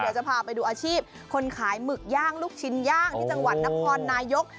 เดี๋ยวจะพาไปดูอาชีพคนขายหมึกย่างลูกชิ้นย่างที่จังหวัดนครนายก